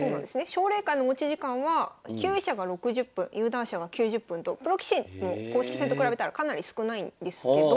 奨励会の持ち時間は級位者が６０分有段者が９０分とプロ棋士の公式戦と比べたらかなり少ないんですけど。